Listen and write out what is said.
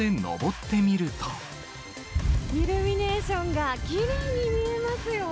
イルミネーションがきれいに見えますよ。